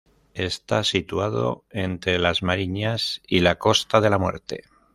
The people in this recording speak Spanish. Está situado entre las Mariñas y la Costa de la Muerte.